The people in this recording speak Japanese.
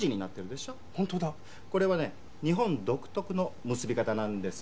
これはね日本独特の結び方なんです。